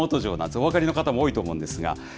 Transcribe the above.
お分かりの方も多いと思うんですが。